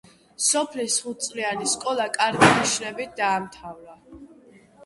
სოფლის ხუთწლიანი სკოლა კარგი ნიშნებით დაამთავრა.